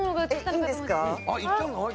いいんですか。